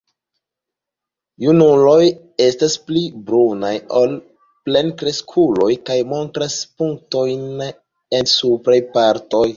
Junuloj estas pli brunaj ol plenkreskuloj kaj montras punktojn en supraj partoj.